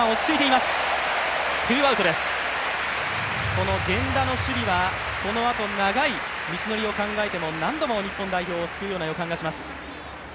この源田の守備はこのあと長い道のりを考えても何度も日本代表を救うような予感がします。